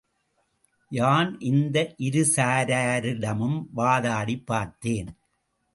யான் இந்த இருசாராரிடமும் வாதாடிப் பார்த்தேன்.